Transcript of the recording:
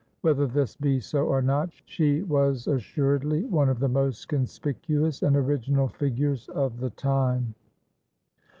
Whether this be so or not, she was assuredly one of the most conspicuous and original figures of the time.